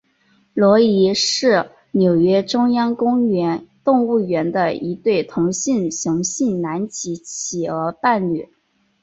罗伊是纽约中央公园动物园的一对同性雄性南极企鹅伴侣。